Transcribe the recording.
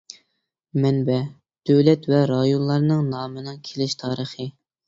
مەنبە : دۆلەت ۋە رايونلارنىڭ نامىنىڭ كېلىش تارىخى.